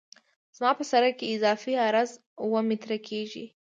زما په سرک کې اضافي عرض اوه متره کیږي